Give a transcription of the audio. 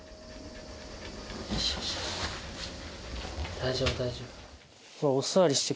大丈夫大丈夫。